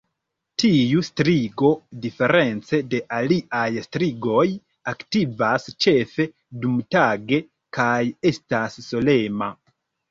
Tiu strigo, diference de aliaj strigoj, aktivas ĉefe dumtage kaj estas solema.